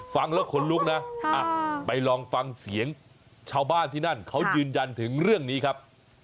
ฟังแล้วขนลุกนะไปลองฟังเสียงชาวบ้านที่นั่นเขายืนยันถึงเรื่องนี้ครับ